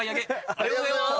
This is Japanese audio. ありがとうございます。